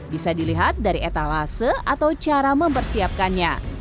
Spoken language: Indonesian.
bisa dilihat dari etalase atau cara mempersiapkannya